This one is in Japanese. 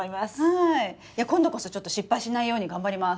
今度こそちょっと失敗しないように頑張ります！